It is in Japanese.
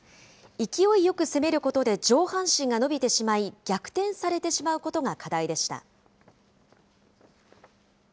勢いよく攻めることで上半身が伸びてしまい、逆転されてしまうことが課題でした。